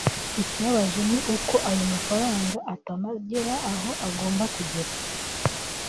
Ikibabaje ni uko ayo mafaranga atanagera aho agomba kugera